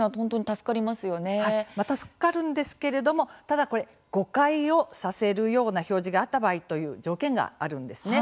助かるんですけれどもただ、誤解をさせるような表示があった場合という条件があるんですね。